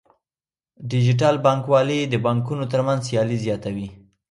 ډیجیټل بانکوالي د بانکونو ترمنځ سیالي زیاتوي.